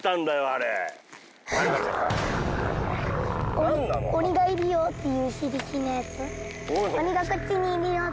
あれ何なの「鬼がいるよ」っていう響きのやつ？